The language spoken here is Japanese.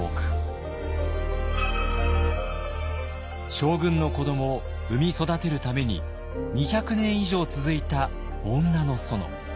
将軍の子どもを産み育てるために２００年以上続いた女の園。